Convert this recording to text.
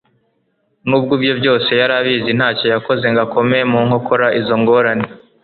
Nubwo ibyo byose yari abizi ntacyo yakoze ngo akome mu nkokora izo ngorane.'